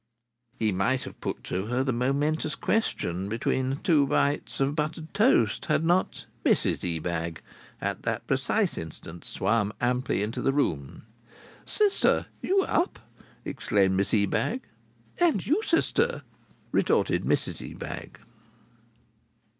He might have put to her the momentous question, between two bites of buttered toast, had not Mrs Ebag, at the precise instant, swum amply into the room. "Sister! You up!" exclaimed Miss Ebag. "And you, sister!" retorted Mrs Ebag.